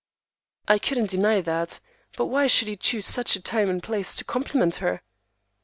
I couldn't deny that; but why should he choose such a time and place to compliment her?